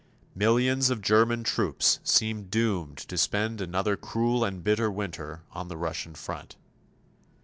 Millions of German troops seem doomed to spend another cruel and bitter winter on the Russian front.